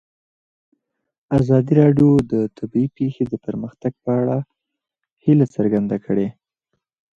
ازادي راډیو د طبیعي پېښې د پرمختګ په اړه هیله څرګنده کړې.